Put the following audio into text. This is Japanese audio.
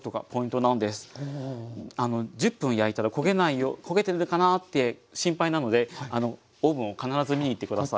１０分焼いたら焦げないよう焦げてるかなって心配なのでオーブンを必ず見にいって下さい。